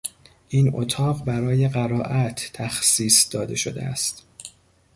این اتاق برای قرائت تخصیص داده شده است.